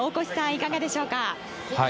いかがでしょうか？